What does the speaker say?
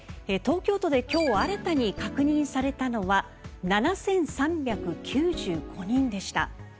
東京都で今日、新たに確認されたのは７３９５人でした。